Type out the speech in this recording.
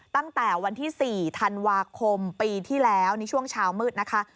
ตั้งแต่วันที่๔ธันวาคมปีที่แล้วนี่ช่วงเช้ามืดนะคะ